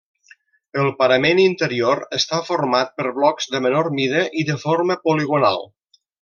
El parament interior està format per blocs de menor mida i de forma poligonal.